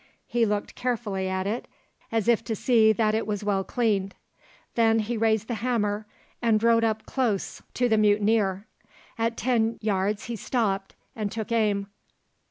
He looked carefully at it, as if to see that it was well cleaned; then he raised the hammer and rode up close to the mutineer. At ten yards he stopped and took aim.